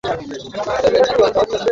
এটি সংস্কৃত শব্দ ভূমি থেকে উদ্ভূত হয়েছে।